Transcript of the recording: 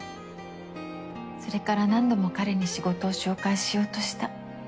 それから何度も彼に仕事を紹介しようとした。